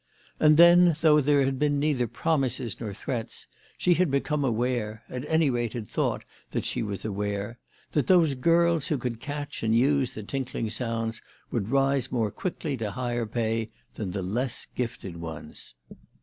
And then, though there had been neither promises nor threats, she had become aware, at any rate had thought that she was aware, that those girls who could catch and use the tinkling sounds would rise more quickly to higher pay than the less gifted ones.